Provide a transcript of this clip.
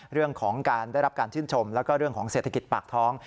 เรื่องของการได้รับการชื่นชมแล้วก็เรื่องของเศรษฐกิจปากท้อง